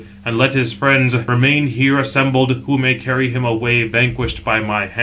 And let his friends remain here assembled, who may carry him away vanquished by my hands."